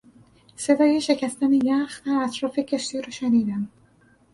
صدای شکستن یخ در اطراف کشتی را شنیدم.